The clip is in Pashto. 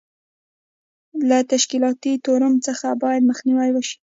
له تشکیلاتي تورم څخه باید مخنیوی وشي.